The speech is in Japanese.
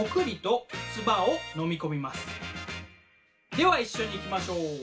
では一緒にいきましょう。